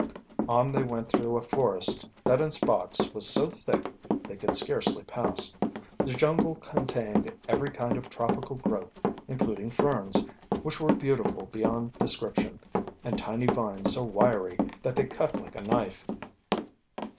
On they went through a forest that in spots was so thick they could scarcely pass. The jungle contained every kind of tropical growth, including ferns, which were beautiful beyond description, and tiny vines so wiry that they cut like a knife.